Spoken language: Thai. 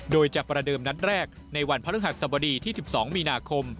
โดยจะประเดิมนัดแรกในวันพระฤหัสสบดีที่๑๒มีนาคม